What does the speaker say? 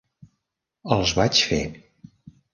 Els vaig fer.